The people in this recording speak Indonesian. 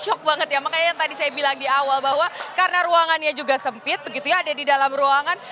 cocok banget ya makanya yang tadi saya bilang di awal bahwa karena ruangannya juga sempit begitu ya ada di dalam ruangan